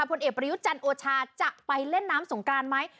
ผลเอกประยุทธ์จันทร์โอชาจะไปเล่นน้ำสงกรานไหม